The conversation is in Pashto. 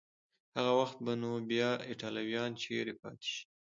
هغه وخت به نو بیا ایټالویان چیري پاتې شي؟